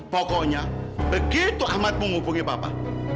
pokoknya begitu amat menghubungi papa